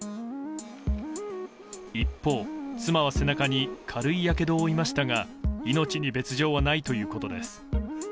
一方、妻は背中に軽いやけどを負いましたが命に別条はないということです。